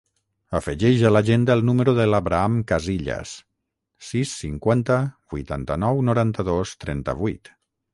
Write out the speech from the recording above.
Afegeix a l'agenda el número de l'Abraham Casillas: sis, cinquanta, vuitanta-nou, noranta-dos, trenta-vuit.